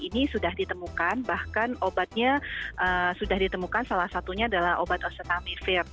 ini sudah ditemukan bahkan obatnya sudah ditemukan salah satunya adalah obat osetamivir